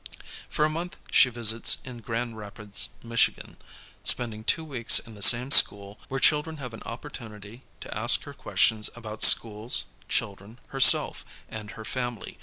For a month she visits in Grand Rapids, Mich., spending 2 weeks in the same school where children have an opportunity to ask her questions about schools, children, herself, and her familv.